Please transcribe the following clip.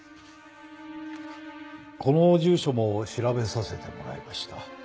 この住所も調べさせてもらいました。